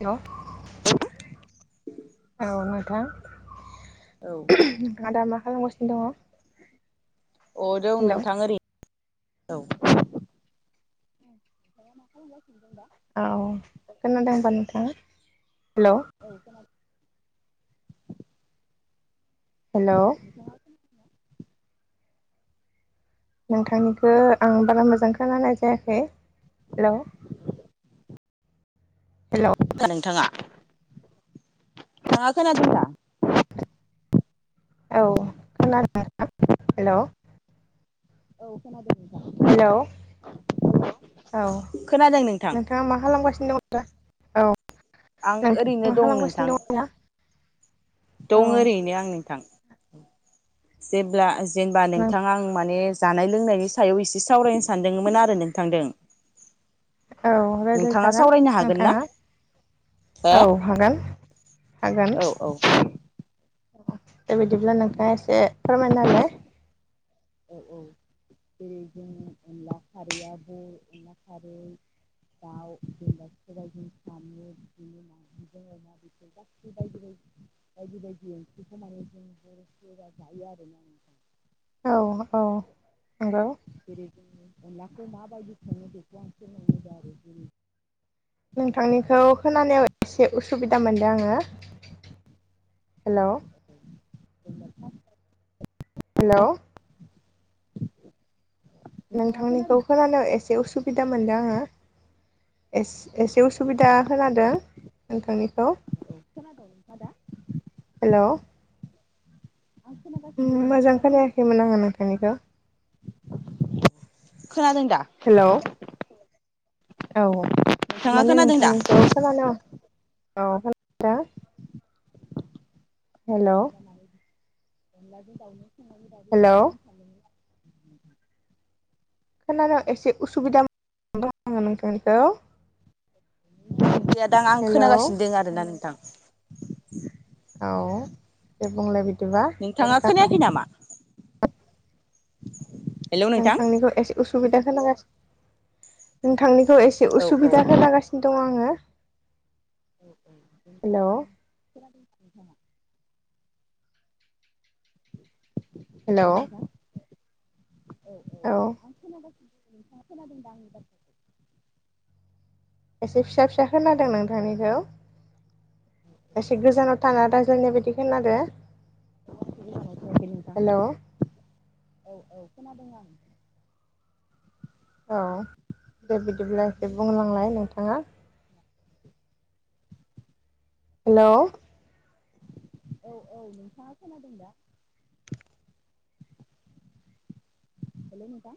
Hello औ नोंथां औ नोंथांङा मा खालाम गा दंङो अ दं नोंथां ओरैनो औ [unintelligible] औ खोनादोंबा नोंथां हेलौ हेल' नोंथांनिखौ आं बारा मोजां खोनानाय जायाखै हेलौ हेलौ [unintelligible] नोंथांङा नोंथांङा खोनादों दा औ खोनादों [unintelligible] हेलौ औ खोनादों हेलौ औ खोनादों नोंथां नोंथांङा मा खालामगासिनो दङोदा औ आं नोंथाङा ओरैनो मा दं नोंथां खालामगासिनो दङ दा औ दं ओरैनो आं नोंथां जेब्ला जेनेबा नोंथां आं माने जानाय लोंनायनि सायाव एसे सावरायनो सानदोंमोन आरो नोंथांदों औ नोंथाङा रायलायजागोन सावरायनो हागोन ना नोंथाङा हो औ हागोन। औ औ औ बेबायदिब्ला नोंथाङा एसे फोरमायना होलाय औ औ जेरै जों अनला खारैआबो अनला खारै दाउ जेनेबा सबायजों साम' बिदिनो नारजिजों अमा बेबायदि ओंख्रिखौ माने जों बर'फोरा जायो आरोना नोंथां औ औ नंगौ जेरै जों अनलाखौ माबायदि सङो बेखौ आं [unintelligible] जेरै नोंथांनिखौ खोनानायाव एसे उसु बिदा मोनदों आङो। हेलौ हेलौ नोंथांनिखौ खोनादोंना? खोनानो ए से उसुबिदा मोनदों आङो ए एसे उसुबिदा होनादों नोंथांनिखौ हेलौ मोजां खोनायाखैमोन आङो नोंथांनिखौ। खोनादों दा हेलौ औ नोंथाङा माने खोनादों दा? नोंथांनिखौ खोनानो ओ खोनादों हेलौ अनलाजों दाउजों। हेलौ [unintelligible] खोनानायाव एसे उसुबिदा [inaudible] दङो नोंथांनिखौ नेट गैया दां आं हेलौ खोनागासिनो दं आरोना नोंथां। [inaudible] औ दे बुंलाय बि नोंथाङा खोनायाखै नामा? हेलौ नोंथां नोंथांनिखौ एसे उसुबिदा खोनासंगासिनो नोंथांनि खौ एसे औ औ उसुबिदा खोनांगासिनो दं आङो हेलौ हेलौ औ नोंथाङा खोनादों दा आंनि बाथ्राखौ एसे फिसा फिसा खोनादों नोंथांनिखौ एसे गोजानाव थाना रायज्लानाय बायदि खोनादों नोंथां हेलौ खोनादोंं आं औ दे बिदिब्ला एसे बुं लांलाय नोंथाङा हेलौ औ औ नोंथाङा खोनादोंं दा हेलौ नोंथां